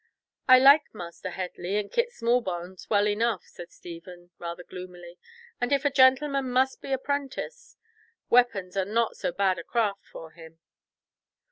"I like Master Headley and Kit Smallbones well enough," said Stephen, rather gloomily, "and if a gentleman must be a prentice, weapons are not so bad a craft for him."